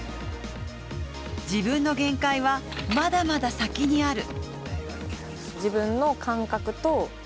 自分の限界はまだまだ先にある。